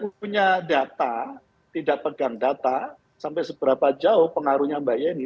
jadi kita tidak punya data tidak pegang data sampai seberapa jauh pengaruhnya mbak yeni